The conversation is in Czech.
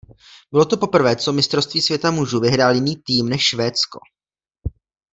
Bylo to poprvé co mistrovství světa mužů vyhrál jiný tým než Švédsko.